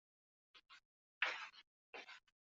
卡拉瓦乔过着狂乱的生活。